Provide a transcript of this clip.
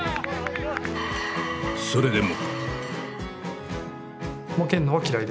それでも。